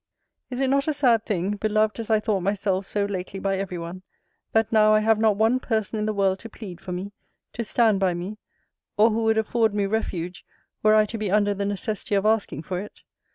Is it not a sad thing, beloved as I thought myself so lately by every one, that now I have not one person in the world to plead for me, to stand by me, or who would afford me refuge, were I to be under the necessity of asking for it!